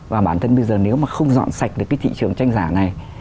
và bản thân bây giờ nếu mà không dọn sạch được cái thị trường tranh giả này